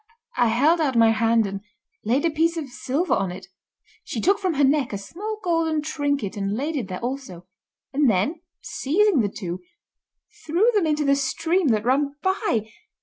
I held out my hand and laid a piece of silver on it. She took from her neck a small golden trinket and laid it there also; and then, seizing the two, threw them into the stream that ran by.